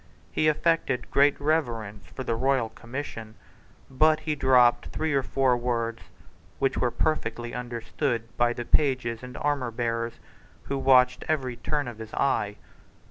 He affected great reverence for the royal commission, but he dropped three or four words which were perfectly understood by the pages and armourbearers, who watched every turn of his eye.